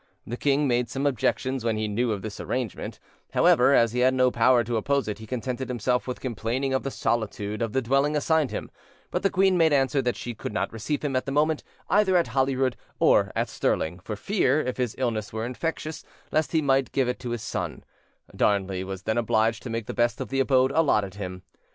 The king made some objections when he knew of this arrangement; however, as he had no power to oppose it, he contented himself with complaining of the solitude of the dwelling assigned him; but the queen made answer that she could not receive him at that moment, either at Holyrood or at Stirling, for fear, if his illness were infectious, lest he might give it to his son: Darnley was then obliged to make the best of the abode allotted him.